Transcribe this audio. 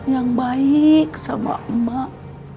yang baik sama emak